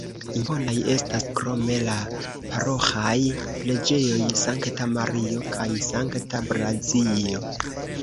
Imponaj estas krome la paroĥaj preĝejoj Sankta Mario kaj Sankta Blazio.